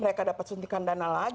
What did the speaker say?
mereka dapat suntikan dana lagi